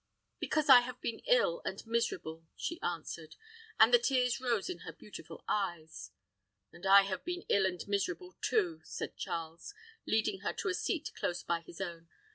"Because I have been ill and miserable," she answered; and the tears rose in her beautiful eyes. "And I have been ill and miserable too," said Charles, leading her to a seat close by his own.